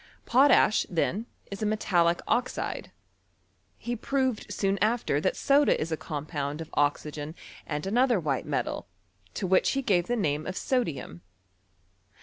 Potash, then, is a metallic oxide. He proved soon after that soda is a compound of oxygen and another white metal, to which he gave the name of sodium.